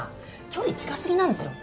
距離近過ぎなんですよ。